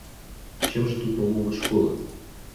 Чем же тут помогут школы?